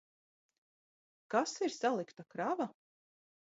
Kas ir salikta krava?